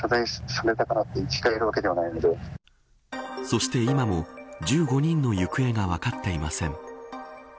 そして今も１５人の行方が分かっていません。